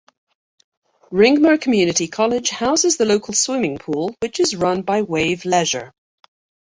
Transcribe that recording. Ringmer Community College houses the local swimming pool which is run by Wave Leisure.